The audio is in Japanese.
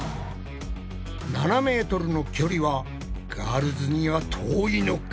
７ｍの距離はガールズには遠いのか？